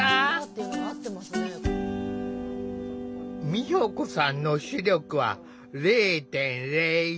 美保子さんの視力は０．０１。